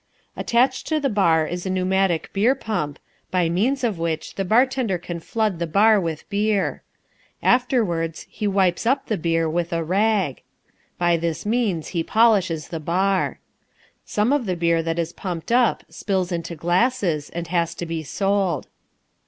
Attached to the bar is a pneumatic beer pump, by means of which the bar tender can flood the bar with beer. Afterwards he wipes up the beer with a rag. By this means he polishes the bar. Some of the beer that is pumped up spills into glasses and has to be sold.